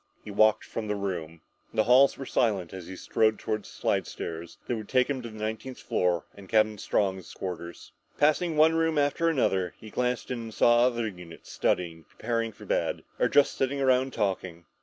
He walked from the room. The halls were silent as he strode toward the slidestairs that would take him to the nineteenth floor and Captain Strong's quarters. Passing one room after another, he glanced in and saw other units studying, preparing for bed, or just sitting around talking.